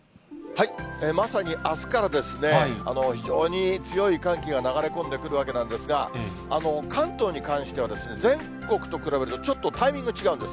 まさにあすから、非常に強い寒気が流れ込んでくるわけなんですが、関東に関しては、全国と比べると、ちょっとタイミング違うんです。